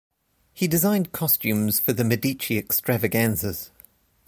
He designed costumes for the Medici extravaganzas.